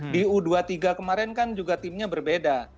di u dua puluh tiga kemarin kan juga timnya berbeda